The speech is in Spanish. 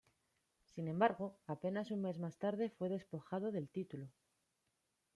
Sin embargo, apenas un mes más tarde fue despojado del título.